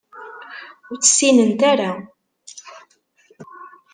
Ur tt-ssinent ara.